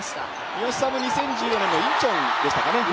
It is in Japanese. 三好さんも２０１４年のインチョンでしたかね